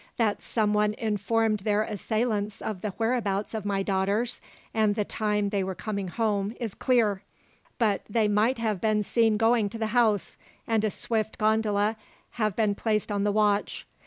That someone informed their assailants of the whereabouts of my daughters, and the time they were coming home, is clear; but they might have been seen going to the house, and a swift gondola have been placed on the watch.